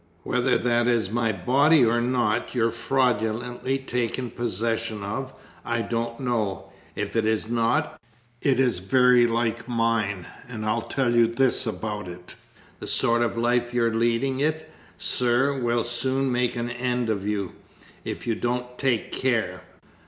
Whether that is my body or not you've fraudulently taken possession of, I don't know; if it is not, it is very like mine, and I tell you this about it. The sort of life you're leading it, sir, will very soon make an end of you, if you don't take care.